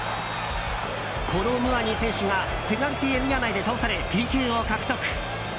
コロ・ムアニ選手がペナルティーエリア内で倒されＰＫを獲得。